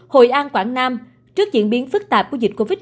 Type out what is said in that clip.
hội an quảng nam trước diễn biến phức tạp của dịch covid một mươi